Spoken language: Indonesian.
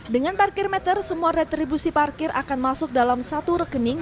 dengan parkir meter semua retribusi parkir akan masuk dalam satu rekening